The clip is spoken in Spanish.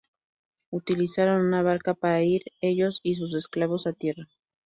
Utilizaron una barca para ir, ellos y sus esclavos, a tierra.